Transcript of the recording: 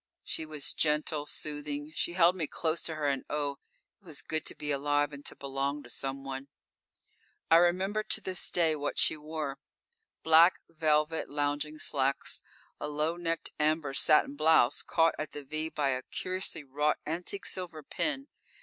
She was gentle soothing. She held me close to her and oh! it was good to be alive and to belong to someone._ _I remember to this day what she wore. Black velvet lounging slacks, a low necked amber satin blouse, caught at the "V" by a curiously wrought antique silver pin.